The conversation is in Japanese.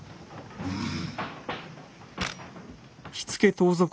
うん。